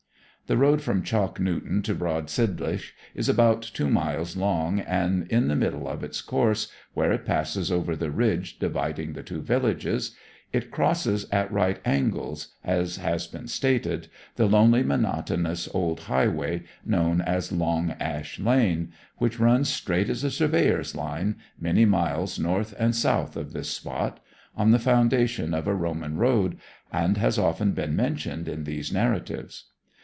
The road from Chalk Newton to Broad Sidlinch is about two miles long and in the middle of its course, where it passes over the ridge dividing the two villages, it crosses at right angles, as has been stated, the lonely monotonous old highway known as Long Ash Lane, which runs, straight as a surveyor's line, many miles north and south of this spot, on the foundation of a Roman road, and has often been mentioned in these narratives.